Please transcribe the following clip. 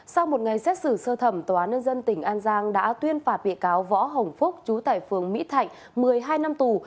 sau một ngày xét xử sơ thẩm tòa án nhân dân tỉnh an giang đã tuyên phạt bị cáo võ hồng phúc chú tại phường mỹ thạnh một mươi hai năm tù